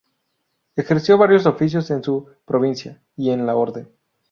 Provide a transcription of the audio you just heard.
Ejerció varios oficios en su Provincia y en la Orden.